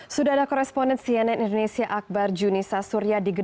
sudara korresponden cnn indonesia akbar junisa surya